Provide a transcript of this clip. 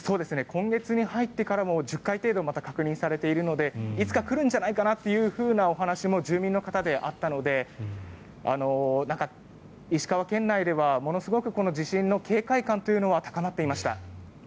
今月に入ってからも１０回程度また確認されているのでいつか来るんじゃないかというお話も住民の方であったので石川県内ではものすごく地震の警戒感というのは高まっていました。